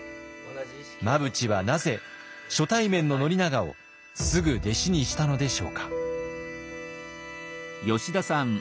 真淵はなぜ初対面の宣長をすぐ弟子にしたのでしょうか？